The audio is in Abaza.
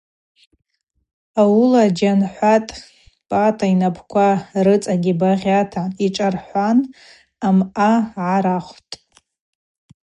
Ауыла Джьанхӏватӏ Пӏатӏа йнапӏква рыцӏагьи багъьата йшӏархӏван амъа гӏарахвтӏ.